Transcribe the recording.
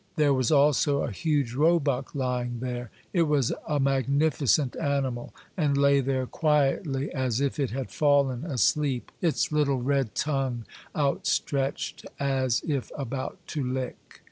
There was also a huge roebuck lying there ; it was a magnificent animal, and lay there quietly, as if it had fallen asleep, its little red tongue outstretched as if about to lick.